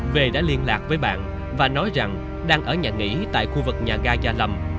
về đã liên lạc với bạn và nói rằng đang ở nhà nghỉ tại khu vực nhà ga gia lâm